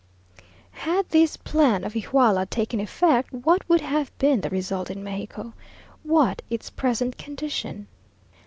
Had this plan of Iguala taken effect, what would have been the result in Mexico? what its present condition?...